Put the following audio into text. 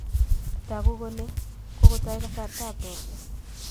Taku kole kokotai kasarta ab robta